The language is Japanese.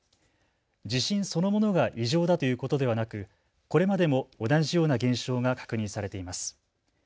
地震そのものが異常だということではなくこれまでも同じような現象が確認されています。